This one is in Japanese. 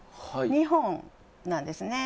２本なんですね。